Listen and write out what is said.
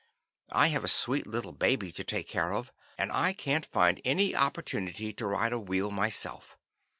I have a sweet little baby to take care of, and I can't find any opportunity to ride a wheel myself.